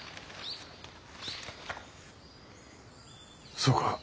そうか。